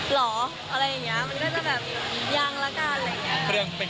เหรออะไรอย่างนี้มันก็จะแบบยังละกันอะไรอย่างนี้